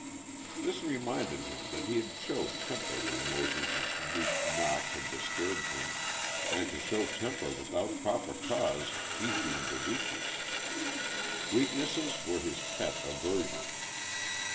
This reminded him that he had showed temper when Moses's meek knock had disturbed him, and to show temper without proper cause he deemed a weakness. Weaknesses were his pet aversion.